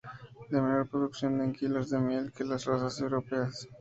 De menor producción en kilos de miel que las razas europeas.